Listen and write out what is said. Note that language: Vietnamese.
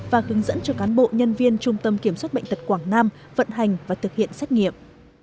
và hướng dẫn cho cán bộ nhân viên trung tâm kiểm soát bệnh tật quảng nam vận hành và thực hiện xét nghiệm